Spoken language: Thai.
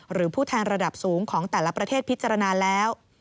หรือผู้แทนระดับสูงของแต่ละประเทศพิจารณาแล้ว